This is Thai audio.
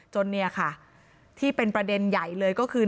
เนี่ยค่ะที่เป็นประเด็นใหญ่เลยก็คือ